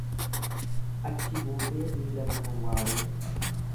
Achi buutee miila Bakar Waaree.